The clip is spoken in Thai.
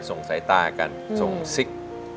ส่งสายตากันส่งซิก